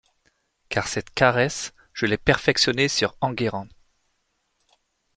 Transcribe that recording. Car cette caresse, je l’ai perfectionnée sur Enguerrand.